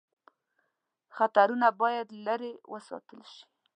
خطرونه باید لیري وساتل شي.